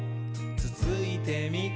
つついてみ？」